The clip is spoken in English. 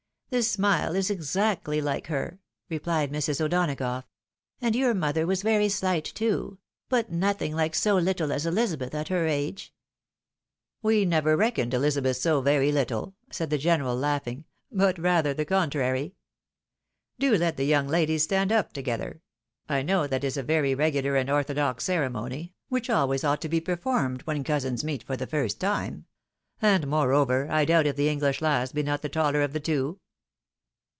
" The smile is exactly like her," replied Mrs. O'Donagough. " And your mother was very shght, too ; but nothing like so little as Ehzabeth, at her age." " We never reckoned Elizabeth so very little,'' said the general, laughing ;" but rather the contrary. Do let the yoimg ladies stand up together — ^I know that is a very regular and orthodox ceremony, which always ought to be performed when cousins meet for the first time ; and, moreover, I doubt if the English lass be not the taller of the two."